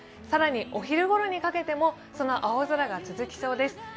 更にお昼ごろにかけても、その青空が続きそうです。